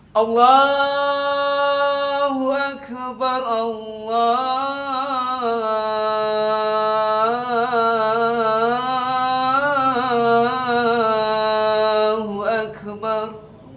yang mudah muji allah